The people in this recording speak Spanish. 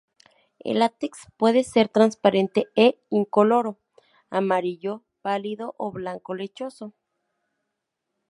El látex puede ser transparente e incoloro, amarillo pálido o blanco lechoso.